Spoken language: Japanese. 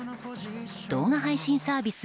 動画配信サービス